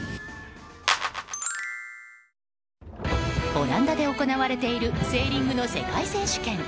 オランダで行われているセーリングの世界選手権。